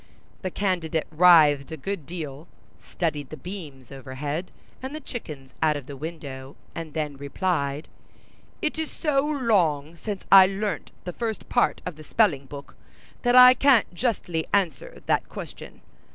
The candidate writhed a good deal, studied the beams overhead and the chickens out of the window, and then replied, "It is so long since I learnt the first part of the spelling book, that I can't justly answer that question.